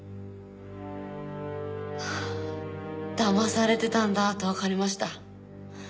ああだまされてたんだとわかりました。